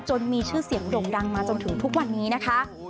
มีชื่อเสียงด่งดังมาจนถึงทุกวันนี้นะคะ